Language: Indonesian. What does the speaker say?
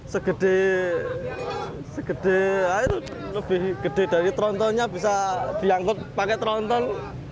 segede segede air lebih gede dari trontonnya bisa diangkut pakai tronton